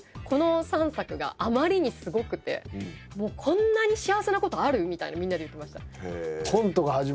この３作があまりにすごくて「こんなに幸せなことある？」みたいにみんなで言ってました。